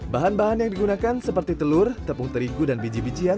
bahan bahan yang digunakan seperti telur tepung terigu dan biji bijian